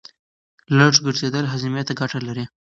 لږ ګرځېدل هاضمې ته ګټه لري.